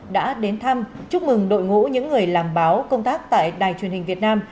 đã đến thăm chúc mừng đội ngũ những người làm báo công tác tại đài truyền hình việt nam